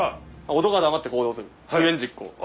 男は黙って行動する不言実行。